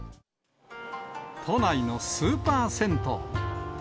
都内のスーパー銭湯。